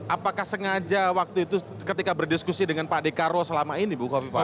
apakah sengaja waktu itu ketika berdiskusi dengan pak dekarwo selama ini bu kofifa